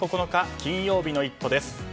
金曜日の「イット！」です。